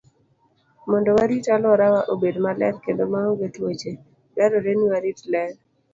Mondo warit alworawa obed maler kendo maonge tuoche, dwarore ni warit ler.